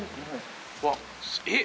わっえっ！